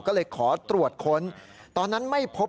ก็เลยขอตรวจค้น